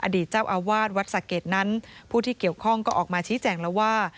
อดีตเจ้าอาวาสวัดสะเกดนั้นผู้ที่เกี่ยวข้องก็ออกมาชี้แจงแล้วว่า